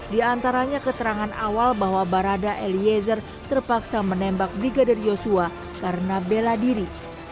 di antaranya keterangan awal bahwa barada eliezer terpaksa menembak brigadir yosua karena bela diri